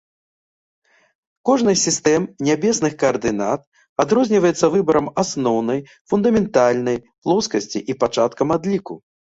Кожнай з сістэм нябесных каардынат адрозніваецца выбарам асноўнай, фундаментальнай, плоскасці і пачаткам адліку.